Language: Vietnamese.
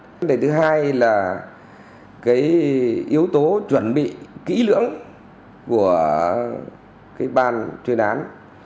vấn đề thứ hai là yếu tố chuẩn bị kỹ lưỡng của ban chuyên án